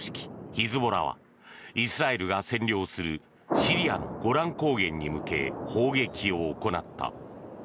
ヒズボラはイスラエルが占領するシリアのゴラン高原に向け砲撃を行った。